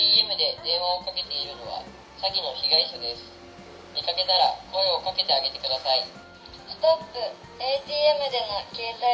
見かけたら、声をかけてあげてくストップ！